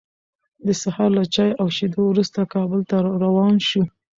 د سهار له چای او شیدو وروسته، کابل ته روان شوو.